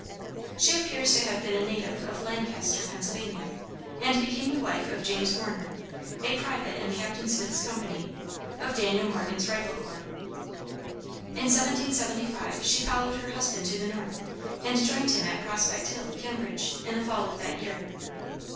She appears to have been a native of Lancaster, Pennsylvania, and became the wife of James Warner, a private in Captain Smith's company, of Daniel Morgan's rifle corps. In 1775 she followed her husband to the north, and joined him at Prospect Hill, Cambridge, in the fall of that year.